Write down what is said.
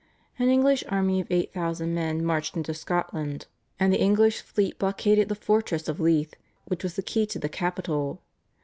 An English army of eight thousand men marched into Scotland, and the English fleet blockaded the fortress of Leith which was the key to the capital.